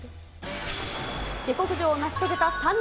下剋上を成し遂げた３人。